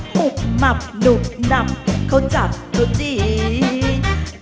หุบหมับหนุนำเขาจับตัวจริง